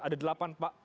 ada delapan bapak paslon